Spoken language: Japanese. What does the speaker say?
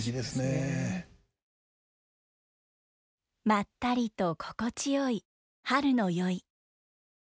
まったりと心地よい春の宵。